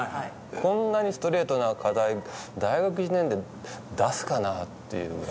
こんなにストレートな課題大学２年で出すかなっていう。